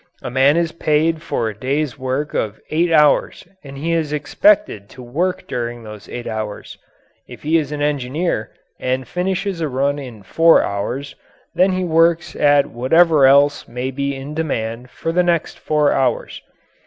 A man is paid for a day's work of eight hours and he is expected to work during those eight hours. If he is an engineer and finishes a run in four hours then he works at whatever else may be in demand for the next four hours.